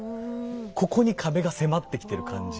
ここに壁が迫ってきてる感じ。